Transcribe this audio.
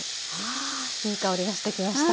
あいい香りがしてきました。